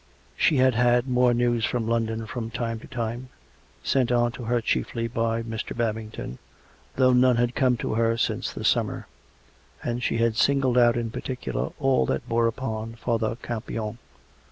She had had more news from London from time to time, sent on to her chiefly by Mr. Babington, though none had come to her since the summer, and she had singled out in particular all that bore upon Father Campion.